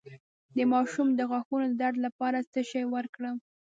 د ماشوم د غاښونو د درد لپاره څه شی ورکړم؟